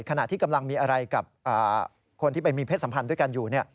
ขณะที่กำลังมีอะไรกับคนที่ไปมีเพศสัมพันธ์ด้วยกันอยู่